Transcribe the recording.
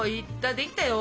できたよ。